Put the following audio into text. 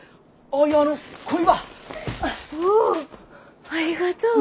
おおありがとう。